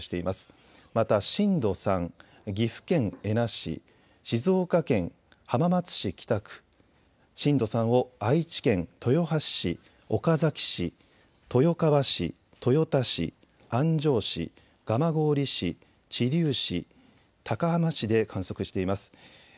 また震度３、岐阜県恵那市、静岡県浜松市北区、震度３を愛知県豊橋市、岡崎市、豊川市、豊田市、安城市、蒲郡市、知立市、高浜市で観測しています。